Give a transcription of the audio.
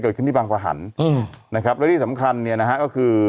เกิดขึ้นที่บางขวาหันนะครับแล้วที่สำคัญเนี่ยนะฮะก็คือ